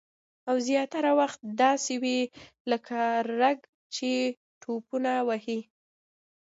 او زیاتره وخت داسې وي لکه رګ چې ټوپونه وهي